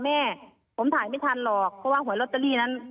แม่ผมถ่ายไม่ทันหรอกเพราะว่าหวยลอตเตอรี่นั้น